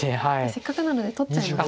せっかくなので取っちゃいますか？